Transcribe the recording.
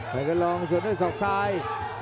มันก็ลองส่วนที่สองซ้าย